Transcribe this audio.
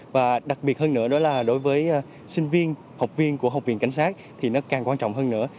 và đặc biệt hơn nữa đó là đối với sinh viên học viên của học viện cảnh sát thì nó càng quan trọng hơn nữa